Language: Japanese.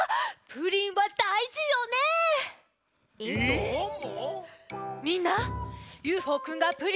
どーも。